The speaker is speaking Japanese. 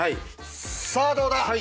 さあどうだ？